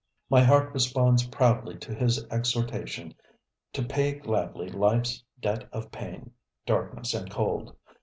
My heart responds proudly to his exhortation to pay gladly lifeŌĆÖs debt of pain, darkness and cold.